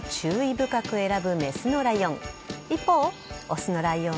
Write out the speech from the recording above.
深く選ぶメスのライオン。